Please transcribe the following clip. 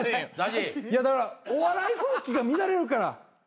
いやだからお笑い風紀が乱れるから。